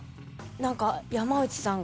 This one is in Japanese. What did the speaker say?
何か山内さんが。